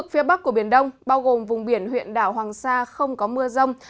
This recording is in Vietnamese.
phía bắc của biển đông bao gồm vùng biển huyện đảo hoàng sa không có mưa rông